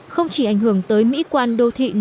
không chỉ ảnh hưởng tới mỹ quan đô thiện